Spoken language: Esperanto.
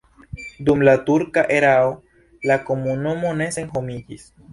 Dum la turka erao la komunumo ne senhomiĝis.